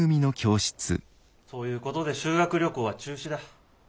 そういうことで修学旅行は中止だ。